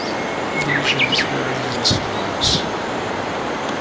Lesions vary in size.